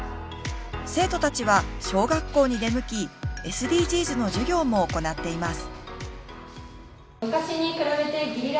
生徒たちは小学校に出向きＳＤＧｓの授業も行っています。